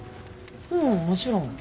うんもちろん。